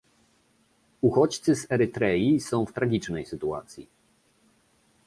Uchodźcy z Erytrei są w tragicznej sytuacji